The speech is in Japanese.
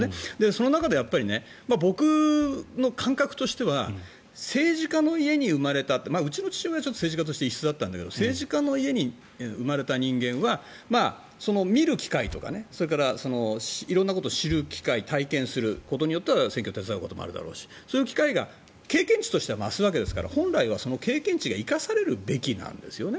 その中で僕の感覚としては政治家の家に生まれたうちの父親も政治家として異質だったけど政治家の家に生まれた人間は見る機会とか色んなことを知る機会体験することによっては選挙を手伝うこともあるだろうしそういう機会が経験として増すわけですから本来は経験値が生かされるべきなんですよね。